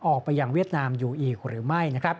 ออกไปยังเวียดนามอยู่อีกหรือไม่